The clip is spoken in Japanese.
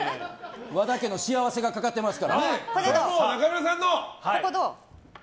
和田家の幸せがかかっていますから。